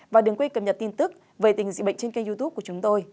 và đừng quên cập nhật tin tức về tình hình dịch bệnh trên kênh youtube của chúng tôi